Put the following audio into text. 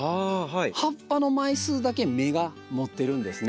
葉っぱの枚数だけ芽が持ってるんですね。